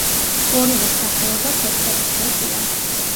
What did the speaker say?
ორივე სახეობა ცოცხლადმშობია.